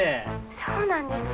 そうなんですか？